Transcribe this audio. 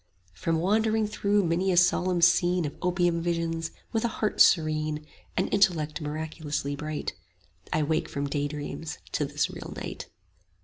From wandering through many a solemn scene Of opium visions, with a heart serene And intellect miraculously bright: I wake from daydreams to this real night.